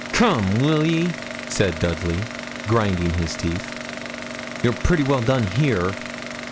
'Come, will ye?' said Dudley, grinding his teeth. 'You're pretty well done here.'